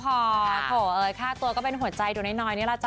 เออข้าก็ข้าวตัวเป็นหัวใจเหนือน้อยนี่แหละจ๊ะ